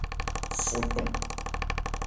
Fɔn cɔn.